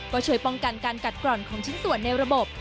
ก็ช่วยป้องกันการกัดกร่อนของชิ้นส่วนในระบบ